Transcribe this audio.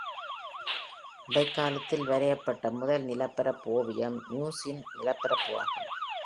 இடைக்காலத்தில் வரையப்பட்ட முதல் நிலப்பரப்பு ஓவியம் மியூஸின் நிலப்பரப்பு ஆகும்.